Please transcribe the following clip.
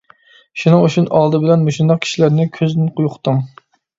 شۇنىڭ ئۈچۈن ئالدى بىلەن مۇشۇنداق كىشىلەرنى كۆزدىن يوقىتىڭ.